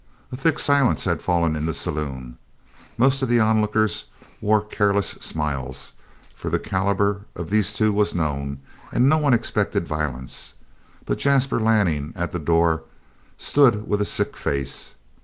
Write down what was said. A thick silence had fallen in the saloon. Most of the onlookers wore careless smiles, for the caliber of these two was known, and no one expected violence; but Jasper Lanning, at the door, stood with a sick face.